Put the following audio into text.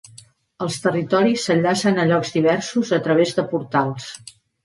Els territoris s'enllacen a llocs diversos a través de portals.